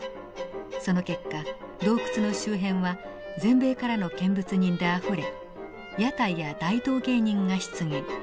その結果洞窟の周辺は全米からの見物人であふれ屋台や大道芸人が出現。